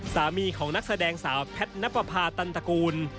สามีของนักแสดงสาวแพทย์นับประพาตันตระกูล